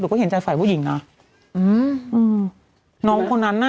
หนูก็เห็นใจฝ่ายผู้หญิงนะน้องคนนั้นน่ะ